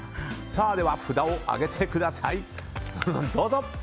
さあ、札を上げてください。